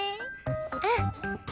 うん！